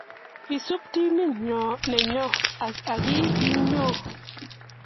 isupi team nenyoo haki inoe